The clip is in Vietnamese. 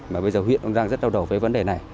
mà bây giờ huyện đang rất đau đầu với vấn đề này